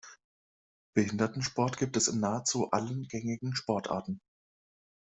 Behindertensport gibt es in nahezu allen gängigen Sportarten.